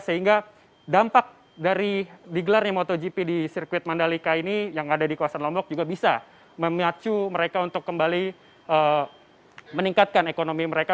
sehingga dampak dari digelarnya motogp di sirkuit mandalika ini yang ada di kawasan lombok juga bisa memacu mereka untuk kembali meningkatkan ekonomi mereka